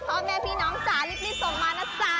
เพราะว่าแม่พี่น้องจ๋าลิฟต์นี้ส่งมานะจ๊ะ